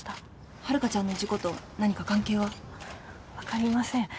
遥香ちゃんの事故と何か関係は？わかりません。